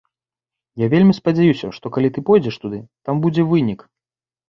Я вельмі спадзяюся, што калі ты пойдзеш туды, там будзе вынік.